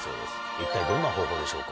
一体どんな方法でしょうか？